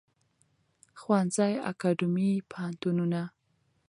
ښوونځی اکاډیمی پوهنتونونه